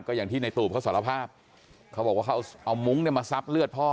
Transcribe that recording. อย่างที่ในตูบเขาสารภาพเขาบอกว่าเขาเอามุ้งเนี่ยมาซับเลือดพ่อ